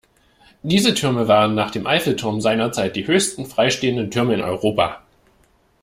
Diese Türme waren nach dem Eiffelturm seinerzeit die höchsten freistehenden Türme in Europa.